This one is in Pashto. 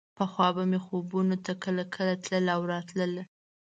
پخوا به مې خوبونو ته کله کله تله او راتله.